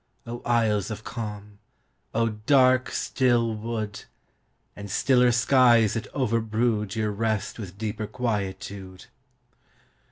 O isles of calm! O dark, still wood! And stiller skies that overbroodYour rest with deeper quietude!